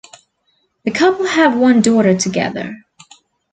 The couple have one daughter together.